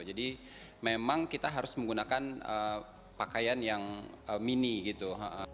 jadi memang kita harus menggunakan pakaian yang mini gitu